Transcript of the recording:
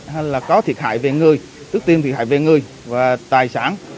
hay là có thiệt hại về người trước tiên thiệt hại về người và tài sản